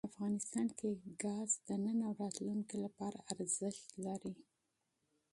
افغانستان کې ګاز د نن او راتلونکي لپاره ارزښت لري.